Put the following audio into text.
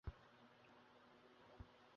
আমাকে এখন ওই প্রমাণের ব্যাগটি দাও।